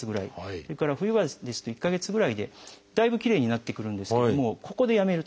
それから冬場ですと１か月ぐらいでだいぶきれいになってくるんですけどもここでやめると駄目なんですね。